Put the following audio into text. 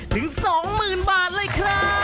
ถึง๒๐๐๐บาทเลยครับ